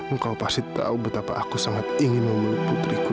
engkau pasti tahu betapa aku sangat ingin memeluk putriku